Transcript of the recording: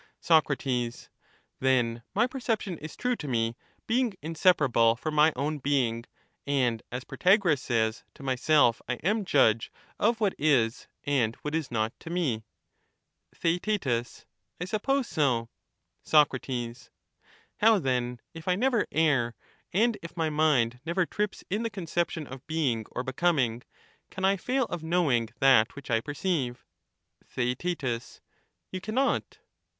Soc. Then my perception is true to me, being inseparable from my own being ; and, as Protagoras says, to myself I am judge of what is and what is not to me. Theaet I suppose so. Soc. How then, if I never err, and if my mind never trips in the conception of being or becoming, can I fail of knowing that which I perceive ? Theaet You cannot.